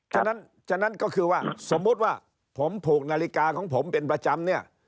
ฉะนั้นฉะนั้นก็คือว่าสมมุติว่าผมผูกนาฬิกาของผมเป็นประจำเนี่ย